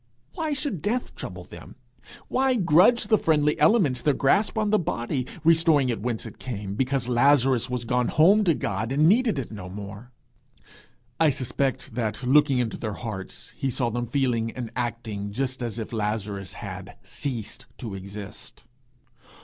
Why should death trouble them? Why grudge the friendly elements their grasp on the body, restoring it whence it came, because Lazarus was gone home to God, and needed it no more? I suspect that, looking into their hearts, he saw them feeling and acting just as if Lazarus had ceased to exist.